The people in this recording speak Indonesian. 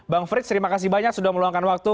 bang frits terima kasih banyak sudah meluangkan waktu